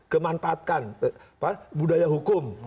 kemanfaatkan budaya hukum